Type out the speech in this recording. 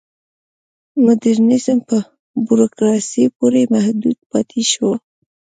مډرنیزم په بوروکراسۍ پورې محدود پاتې شو.